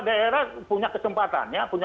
daerah punya kesempatan ya punya